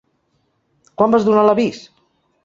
Quan vas donar l'avís?